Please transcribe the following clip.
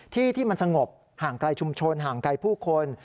ที่ที่มันสงบห่างไกลชุมชนห่างไกลผู้คน